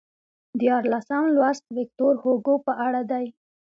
دیارلسم لوست ویکتور هوګو په اړه دی.